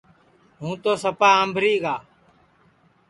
ہوں تو سپا آمبھری گا